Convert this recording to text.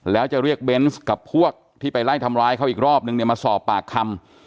แล้วจะเรียกเบนส์กับพวกที่ไปไล่ทำร้ายเขาอีกรอบนึงเนี่ยมาสอบปากคำ